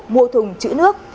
mua thùng chữ nước